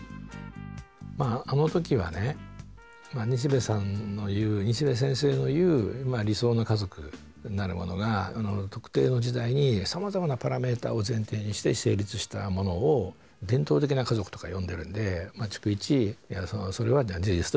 まああの時はね西部さんの言う西部先生の言う理想の家族なるものが特定の時代にさまざまなパラメーターを前提にして成立したものを「伝統的な家族」とか呼んでるんで逐一「それは事実と違います。